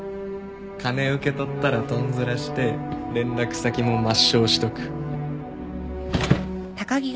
金受け取ったらとんずらして連絡先も抹消しとく。